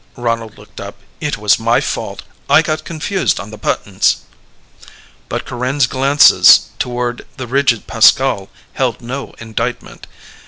Ronald looked up. "It was my fault. I got confused on the buttons." But Corinne's glances toward the rigid Pascal held no indictment.